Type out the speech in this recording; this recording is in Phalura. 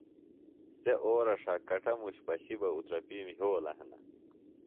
سےۡ اورہ ݜا کٹموش پشیۡ بہ اُترپِیم یھولہ ہنہ